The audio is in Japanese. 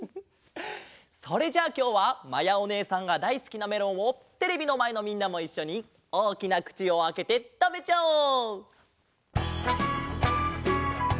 それじゃあきょうはまやおねえさんがだいすきなメロンをテレビのまえのみんなもいっしょにおおきなくちをあけてたべちゃおう！